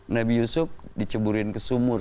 nabi yusuf diceburin ke sumur